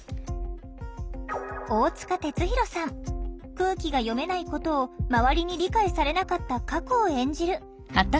空気が読めないことを周りに理解されなかった過去を演じる